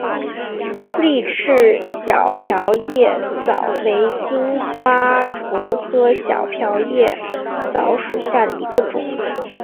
丽翅小瓢叶蚤为金花虫科小瓢叶蚤属下的一个种。